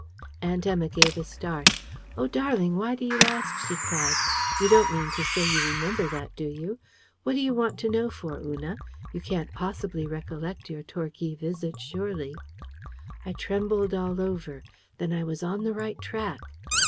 Aunt Emma gave a start. "Oh, darling, why do you ask?" she cried. "You don't mean to say you remember that, do you? What do you want to know for, Una? You can't possibly recollect your Torquay visit, surely!" I trembled all over. Then I was on the right track!